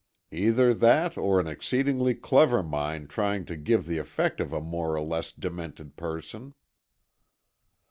"Either that, or an exceedingly clever mind trying to give the effect of a more or less demented person."